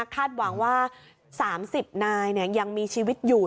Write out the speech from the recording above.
หวังว่า๓๐นายยังมีชีวิตอยู่